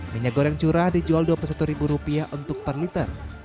minyak goreng curah dijual rp dua puluh satu untuk per liter